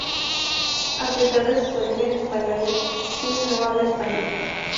A pesar de sus orígenes españoles, Sheen no habla español.